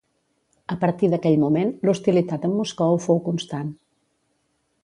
A partir d'aquell moment l'hostilitat amb Moscou fou constant.